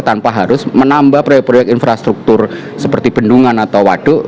tanpa harus menambah proyek proyek infrastruktur seperti bendungan atau waduk